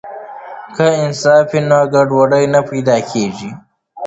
که نصاب وي نو ګډوډي نه پیدا کیږي.